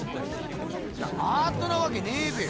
いやアートなわけねえべよ。